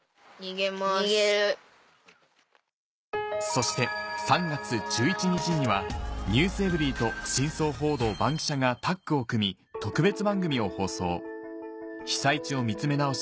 そして３月１１日には『ｎｅｗｓｅｖｅｒｙ．』と『真相報道バンキシャ！』がタッグを組み特別番組を放送「被災地を見つめ直しいのちを守る新知識を知る」を